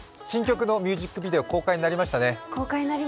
新曲のミュージックビデオ、公開になりましたね。